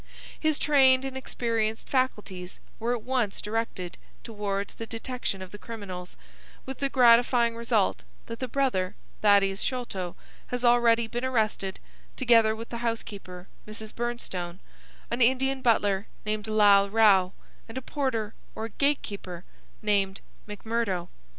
His trained and experienced faculties were at once directed towards the detection of the criminals, with the gratifying result that the brother, Thaddeus Sholto, has already been arrested, together with the housekeeper, Mrs. Bernstone, an Indian butler named Lal Rao, and a porter, or gatekeeper, named McMurdo.